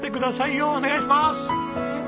お願いします！